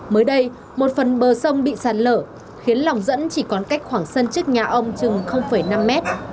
mới đây một phần bờ sông bị sạt lở khiến lòng dẫn chỉ còn cách khoảng sân trước nhà ông chừng năm mét